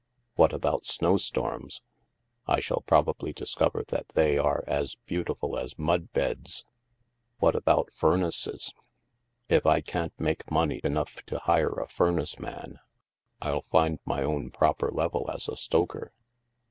" What about snowstorms ?"*' I shall probably discover that they are as beau tiful as mud beds." " What about furnaces ?"" If I can't make money enough to hire a furnace man, I'll find my own proper level as a stoker."